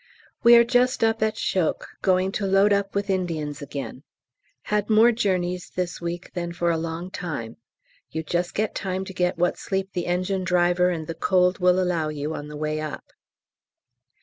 We are just up at Chocques going to load up with Indians again. Had more journeys this week than for a long time; you just get time to get what sleep the engine driver and the cold will allow you on the way up.